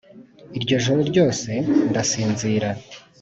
Iryo joro ryose ndasinzira